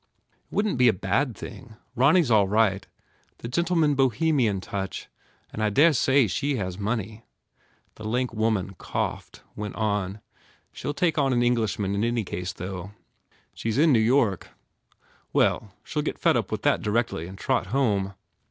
"It wouldn t be a bad thing. Ronny s all right the gentleman Bohemian touch and I dare say she has money." The lank woman coughed, 159 THE FAIR REWARDS went on, "She ll take on an Englishman in any case, though." "She s in New York." "Oh, she ll get fed with that directly and trot home."